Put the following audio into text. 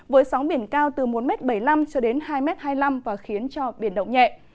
với sóng biển cao từ bốn bảy mươi năm m cho đến hai hai mươi năm m và khiến cho biển động nhẹ